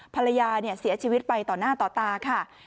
ภรรยาเสียชีวิตไปต่อหน้าต่อตาค่ะ